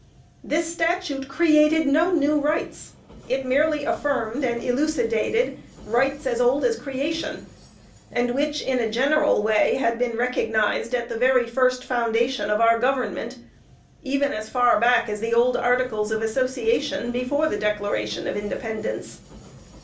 This statute created no new rights; it merely affirmed and elucidated rights as old as creation, and which, in a general way, had been recognized at the very first foundation of our government even as far back as the old Articles of Association, before the Declaration of Independence.